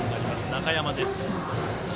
中山です。